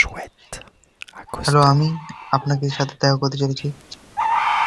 The Gebrauchsmuster is slightly different from the patent.